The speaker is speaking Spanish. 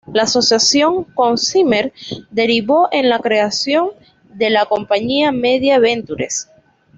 La asociación con Zimmer derivó en la creación de la compañía Media Ventures.